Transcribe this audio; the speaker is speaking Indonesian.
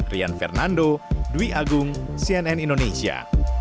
rian fernando dwi agung cnn indonesia